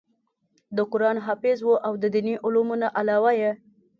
د قران حافظ وو او د ديني علومو نه علاوه ئې